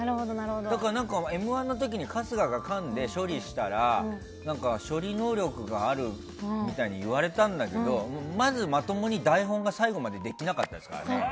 だから、「Ｍ‐１」の時に春日がかんで処理したら処理能力があるみたいに言われたんだけどまず、まともに台本が最後までできなかったですからね。